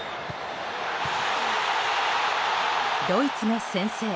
ドイツが先制。